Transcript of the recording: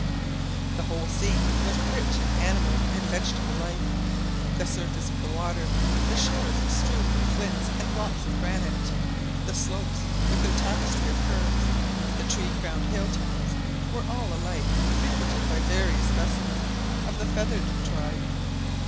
The whole scene was rich in animal and vegetable life. The surface of the water, the shores strewn with flints and blocks of granite, the slopes with their tapestry of herbs, the tree crowned hill tops, were all alike frequented by various specimens of the feathered tribe.